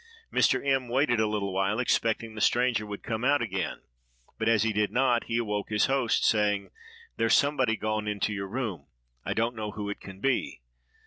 Mr. M—— waited a little while, expecting the stranger would come out again; but, as he did not, he awoke his host, saying, "There's somebody gone into your room: I don't know who it can be."